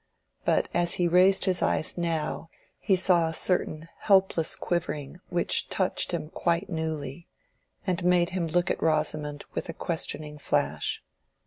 But as he raised his eyes now he saw a certain helpless quivering which touched him quite newly, and made him look at Rosamond with a questioning flash.